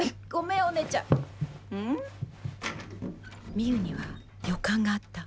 みうには予感があった。